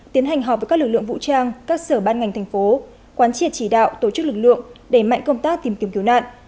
tiến hành họp với các lực lượng vũ trang các sở ban ngành thành phố quán triệt chỉ đạo tổ chức lực lượng đẩy mạnh công tác tìm kiếm cứu nạn